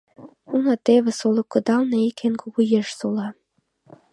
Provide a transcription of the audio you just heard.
Уна, тевыс, олык кыдалне ик эн кугу еш сола.